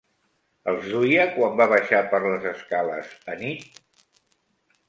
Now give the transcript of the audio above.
Els duia quan va baixar per les escales anit?